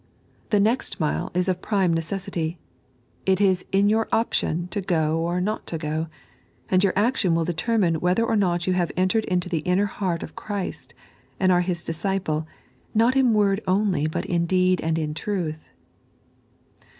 The next mile is of prime neceesitf ; it is in your option to go or not to go, and your action will determine wbether or not you have entered into the inner heart of Christ, and are His disciple, not in word only but " in deed and in truth."